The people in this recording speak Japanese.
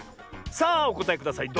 さあおこたえください。